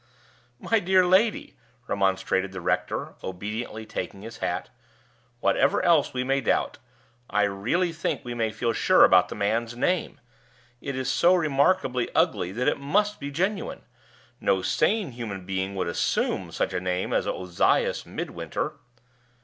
"My dear lady," remonstrated the rector, obediently taking his hat, "whatever else we may doubt, I really think we may feel sure about the man's name! It is so remarkably ugly that it must be genuine. No sane human being would assume such a name as Ozias Midwinter."